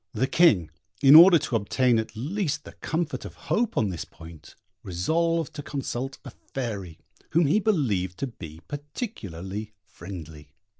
The King, in order to obtain at least the comfort of hope on this point, resolved to consult a fairy, whom he believed to be particularly friendly.